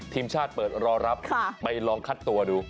ทีมชาติเปิดรอรับไปลองคัดตัวดู